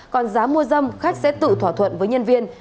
còn giá mua dâm khách sẽ tự thỏa thuận với nhân viên